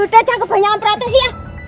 udah jangan kebanyakan peratus ya